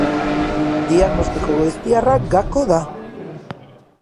Diagnostiko goiztiarra gako da.